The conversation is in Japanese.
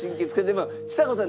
まあちさ子さん